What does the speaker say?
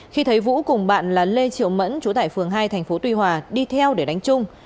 khi thấy vũ cùng bạn là lê triệu mẫn chú tại phường hai tp tuy hòa đi theo để đánh trung